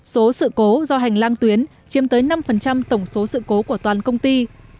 số sự cố do hành lang tuyến chiêm tới năm tổng số sự cố của toàn công ty